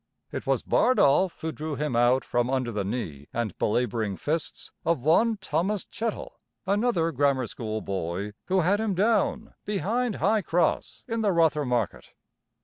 It was Bardolph who drew him out from under the knee and belaboring fists of one Thomas Chettle, another grammar school boy, who had him down, behind High Cross in the Rother Market.